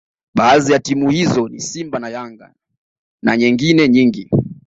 baadhi ya timu hizo ni simba na yanga na nyengine nyingi